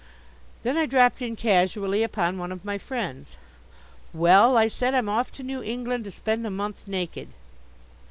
Then I dropped in casually upon one of my friends. "Well," I said, "I'm off to New England to spend a month naked."